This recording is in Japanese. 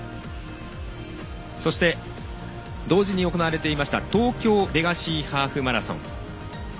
そして同時に行われていた東京レガシーハーフマラソン。